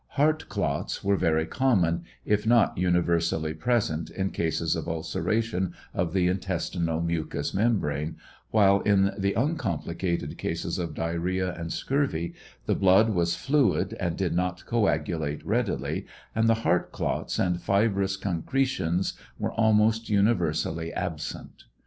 Heart clots were very common, if not univers ally present in cases of ulceration of the intestinal mucous membrane, while in the uncomplicated cases of diarrhea and scurvy, the blood was fluid and did not coagulate readily, and the heart clots and fib rous concretions were almost universally absent.